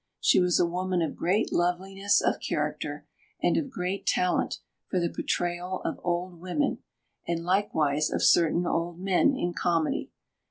She was a woman of great loveliness of character and of great talent for the portrayal of "old women," and likewise of certain "old men" in comedy.